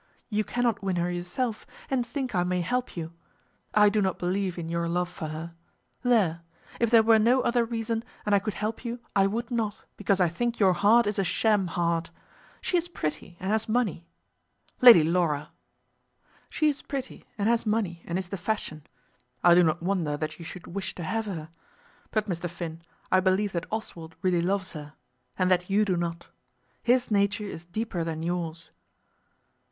You cannot win her yourself, and think I may help you! I do not believe in your love for her. There! If there were no other reason, and I could help you, I would not, because I think your heart is a sham heart. She is pretty, and has money " "Lady Laura!" "She is pretty, and has money, and is the fashion. I do not wonder that you should wish to have her. But, Mr. Finn, I believe that Oswald really loves her; and that you do not. His nature is deeper than yours."